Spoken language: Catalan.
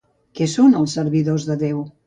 Què són els servidors de Déu?